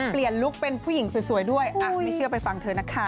ลุคเป็นผู้หญิงสวยด้วยไม่เชื่อไปฟังเธอนะคะ